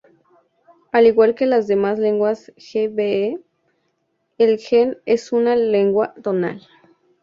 Al igual que las demás lenguas gbe, el gen es una lengua tonal.